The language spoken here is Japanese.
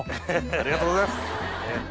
ありがとうございます！